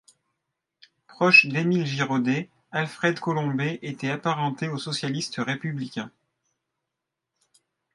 Proche d'Émile Girodet, Alfred Colombet était apparenté aux socialistes républicains.